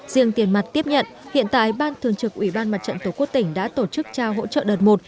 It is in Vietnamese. riêng tiền mặt tiếp nhận hiện tại ban thường trực ủy ban mặt trận tổ quốc tỉnh đã tổ chức trao hỗ trợ đợt một